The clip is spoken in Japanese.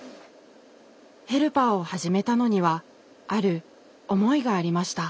ヘルパーを始めたのにはある思いがありました。